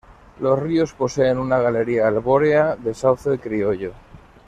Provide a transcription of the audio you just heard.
Los ríos poseen una galería arbórea de sauce criollo.